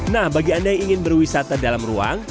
nah bagi anda yang ingin berwisata dalam ruang